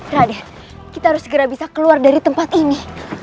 raden kita harus segera bisa keluar dari tempat ini